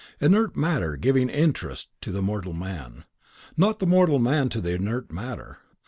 Inert matter giving interest to the immortal man, not the immortal man to the inert matter.